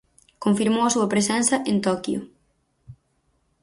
Confirmou a súa presenza en Toquio.